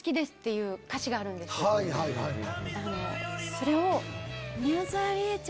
それを。